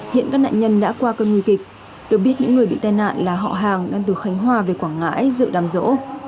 hiện các nạn nhân đã qua cơn nguy kịch được biết những người bị tai nạn là họ hàng đang từ khánh hòa về quảng ngãi dự đám rỗ